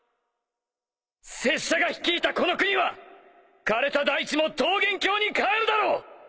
拙者が率いたこの国は枯れた大地も桃源郷に変えるだろう！